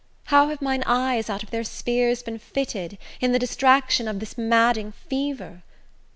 How have mine eyes out of their spheres been fitted, In the distraction of this madding fever!